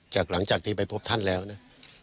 หลังจากที่ไปพบท่านแล้วนะ